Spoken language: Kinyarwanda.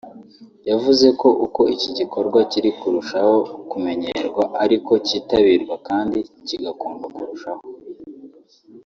yavuze ko uko iki gikorwa kirushaho kumenyerwa ariko cyitabirwa kandi kigakundwa kurushaho